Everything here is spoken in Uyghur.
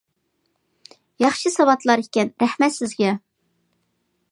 ياخشى ساۋاتلار ئىكەن، رەھمەت سىزگە!